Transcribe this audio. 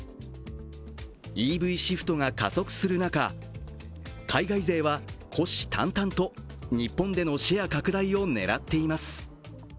ＥＶシフトが加速する中、海外勢は虎視眈々と日本でのシェア拡大を狙っています。